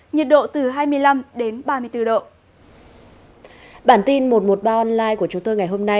nhiệt độ từ hai mươi năm đến ba mươi bốn độ